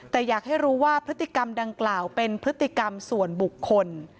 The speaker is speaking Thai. แต่อยากให้รู้ว่าพฤติกรรมดังกล่าวเป็นพฤติกรรมส่วนบุคคล